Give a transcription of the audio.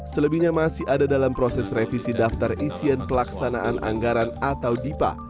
selebihnya masih ada dalam proses revisi daftar isian pelaksanaan anggaran atau dipa